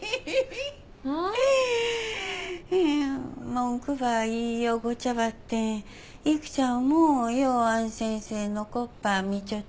文句ば言いよっごちゃばって育ちゃんもようあん先生のこっば見ちょっとね。